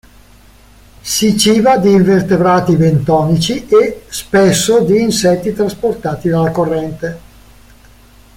Si ciba di invertebrati bentonici e, spesso, di insetti trasportati dalla corrente.